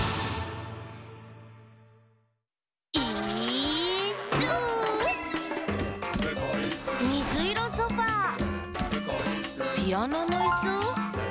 「イーッス」「みずいろソファー」「ピアノのいす？」